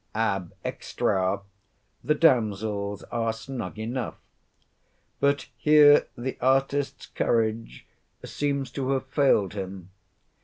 Ab extra the damsels are snug enough. But here the artist's courage seems to have failed him.